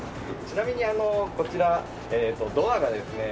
ちなみにこちらドアがですね